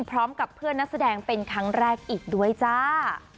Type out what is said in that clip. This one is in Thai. พร้อมกับเพื่อนนักแสดงเป็นครั้งแรกอีกด้วยจ้า